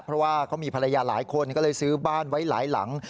เพราะว่าเขามีภรรยาหลายคนก็เลยซื้อบ้านไว้หลายหลัง